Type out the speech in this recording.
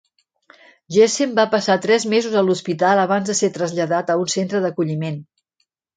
Jessen va passar tres mesos a l'hospital abans de ser traslladat a un centre d'acolliment.